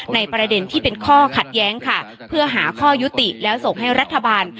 ประเด็นที่เป็นข้อขัดแย้งค่ะเพื่อหาข้อยุติแล้วส่งให้รัฐบาล